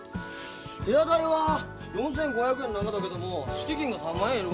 部屋代は４，５００円ながだけども敷金が３万円いるがよ。